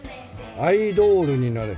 アイドールになれ。